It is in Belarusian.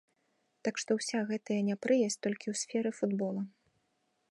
Так што ўся гэтая непрыязь толькі ў сферы футбола.